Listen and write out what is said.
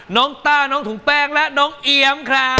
ต้าน้องถุงแป้งและน้องเอียมครับ